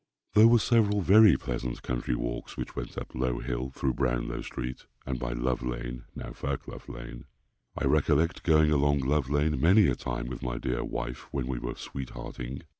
There were several very pleasant country walks which went up to Low hill through Brownlow street, and by Love lane (now Fairclough lane). I recollect going along Love lane many a time with my dear wife, when we were sweethearting.